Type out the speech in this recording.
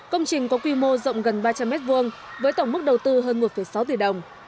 công trình có quy mô rộng gần ba trăm linh m hai với tổng mức đầu tư hơn một sáu tỷ đồng